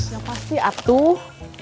ya pasti atuh